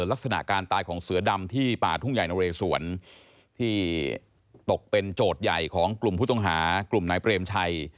ลักษณะการตายของเสือดำที่ป่าทุ่งใหญ่นเรสวนที่ตกเป็นโจทย์ใหญ่ของกลุ่มผู้ต้องหากลุ่มนายเปรมชัย